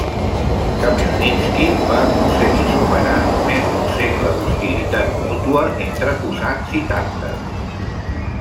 Khmelnitski va aconseguir superar més d'un segle d'hostilitat mútua entre cosacs i tàrtars.